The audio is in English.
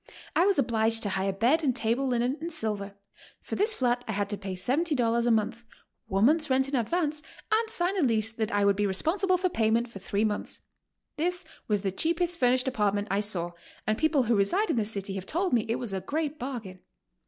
I was obliged to hire bed and table linen and silver. For this flat I had to pay $70 a month, one month's rent in advance, and sign a lease that I would be re sponsible for payment for three months. This was the cheap est furnished apartment I saw, and people who reside in the city have told me it was a great bargain.